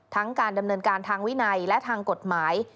การดำเนินการทางวินัยและทางกฎหมาย